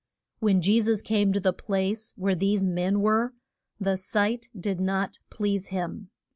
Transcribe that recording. When Je sus came to the place where these men were, the sight did not please him.